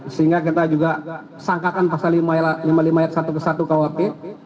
sehingga kita juga sangkakan pasal lima lima yat satu ke satu kwp